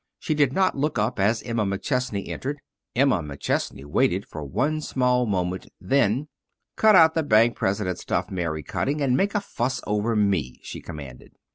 She did not look up as Emma McChesney entered. Emma McChesney waited for one small moment. Then: "Cut out the bank president stuff, Mary Cutting, and make a fuss over me," she commanded.